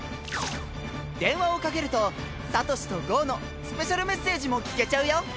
電話をかけるとサトシとゴウのスペシャルメッセージも聞けちゃうよ。